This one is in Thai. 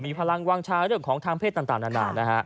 พลังวางชาเรื่องของทางเพศต่างนานานะฮะ